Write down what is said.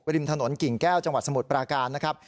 ริมถนนกิ่งแก้วจังหวัดสมุทรปราการนะครับ